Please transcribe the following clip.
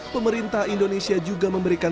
pemerintah indonesia juga memperkenalkan